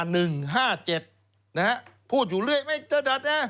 นะฮะพูดอยู่เรื่อยไหมเจ้าดัด